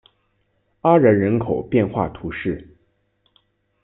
阿然人口变化图示